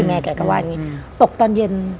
แกก็ว่าอย่างนี้ตกตอนเย็น